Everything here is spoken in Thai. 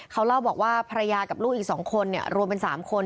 เขาเล่าบอกว่าภรรยากับลูกอีก๒คนรวมเป็น๓คน